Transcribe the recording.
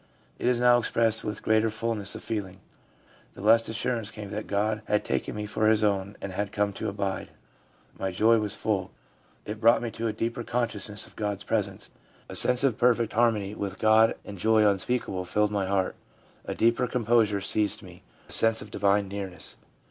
It is now expressed with greater fulness of feeling. 'The blessed assurance came that God had taken me for His own and had come to abide. My joy was full/ ' It brought me to a deeper con sciousness of God's presence/ ' A sense of perfect harmony with God and joy unspeakable filled my heart/ ' A deeper composure seized me, a sense of Divine nearness.'